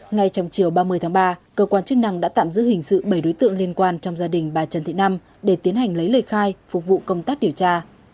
ngay trong chiều ba mươi tháng ba cơ quan chức năng đã tạm giữ hình sự bảy đối tượng liên quan trong gia đình bà trần thị năm để tiến hành lấy lời khai phục vụ công tác điều tra